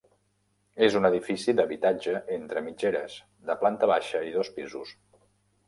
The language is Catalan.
És un edifici d'habitatge entre mitgeres, de planta baixa i dos pisos.